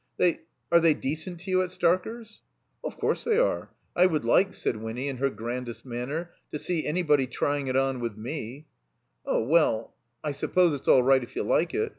"They — are they decent to you at Starker's?" "Of coiu se they are. I would like," said Winny, in her grandest manner, "to see anybody trying it on with f«^." "Oh, well, I suppose it's all right if you like it.